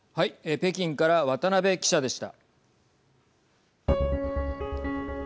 北京から渡辺記者でした。